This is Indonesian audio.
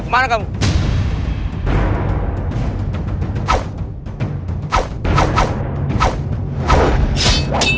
jangan ada yang mendekat